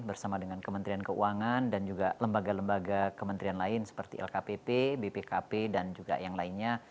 bersama dengan kementerian keuangan dan juga lembaga lembaga kementerian lain seperti lkpp bpkp dan juga yang lainnya